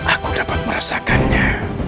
aku dapat merasakannya